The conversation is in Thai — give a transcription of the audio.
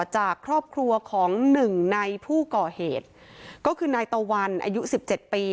จากครอบครัวของหนึ่งในผู้ก่อเหตุก็คือนายตะวันอายุสิบเจ็ดปี